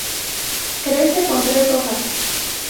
Crece con tres hojas.